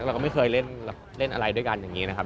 เราก็ไม่เคยเล่นอะไรด้วยกันอย่างนี้นะครับ